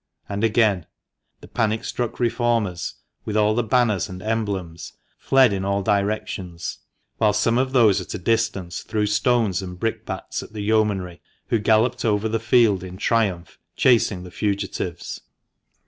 And again, "The panic struck reformers, with all the banners and emblems, fled in all directions, while some of those at a distance threw stones and brick bats at the Yeomanry, who galloped over the field in triumph, chasing the fugitives.